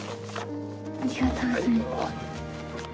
ありがとうございます。